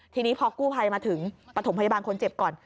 ทีนี้พอกู้ภัยมาถึงปฐมพยาบาลคนเจ็บก่อน